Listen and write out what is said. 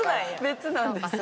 別なんです。